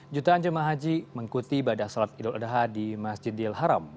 jutaan jemaah haji mengikuti ibadah sholat idul adha di masjidil haram